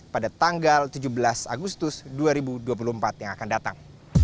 pada tanggal tujuh belas agustus dua ribu dua puluh empat yang akan datang